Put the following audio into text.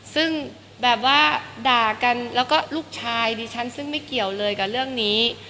ซึ่งแบบว่าด่ากันแล้วก็ลูกชายดิฉันซึ่งไม่เกี่ยวเลยกับเรื่องนี้